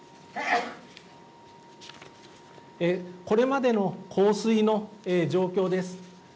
これまでの降水の状況です。